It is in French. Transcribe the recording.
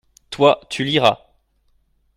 Toi, tu liras.